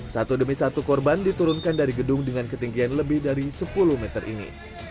satu demi satu korban diturunkan dari gedung dengan ketinggian lebih dari sepuluh meter ini